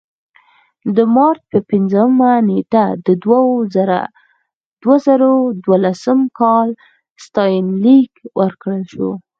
د مارچ په پنځمه نېټه د دوه زره دولسم کال ستاینلیک ورکړل شو.